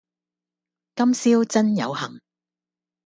今宵真有幸